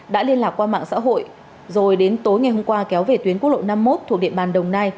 đã liên lạc qua mạng xã hội rồi đến tối ngày hôm qua kéo về tuyến quốc lộ năm mươi một thuộc địa bàn đồng nai